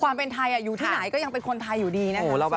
ความเป็นไทยอยู่ที่ไหนก็ยังเป็นคนไทยอยู่ดีนะคะ